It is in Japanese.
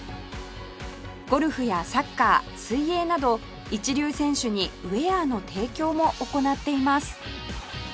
ゴルフやサッカー水泳など一流選手にウェアの提供も行っています